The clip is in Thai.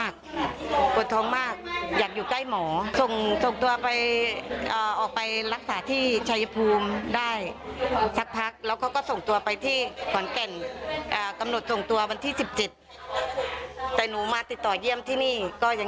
ก็ยังเงียบไม่ได้แล้วก็ส่งตัวไปบัตรที่๑๖อีกทีหนึ่ง